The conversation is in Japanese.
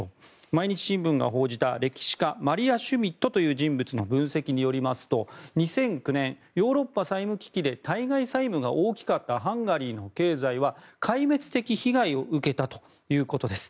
毎日新聞が報じた、歴史家マリア・シュミット氏という人の分析によりますと２００９年ヨーロッパ債務危機で対外債務が大きかったハンガリーの経済は壊滅的被害を受けたということです。